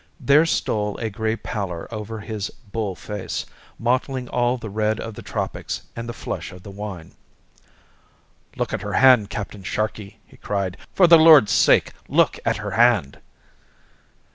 There stole a grey pallor over his bull face, mottling all the red of the tropics and the flush of the wine. "Look at her hand, Captain Sharkey!" he cried. "For the Lord's sake, look at her hand!"